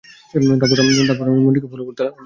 তারপর আমি, মন্ত্রীকে ফলো করতে লাগলাম।